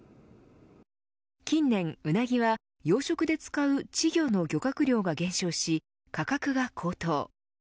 近年、うなぎは養殖で使う稚魚の漁獲量が減少し価格が高騰。